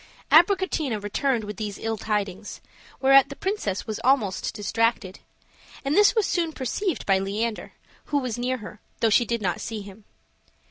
Abricotina returned with these ill tidings, whereat the princess was almost distracted; and this was soon perceived by Leander, who was near her, though she did not see him.